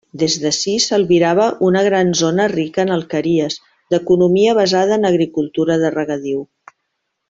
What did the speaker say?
Des d'ací, s'albirava una gran zona rica en alqueries, d'economia basada en agricultura de regadiu.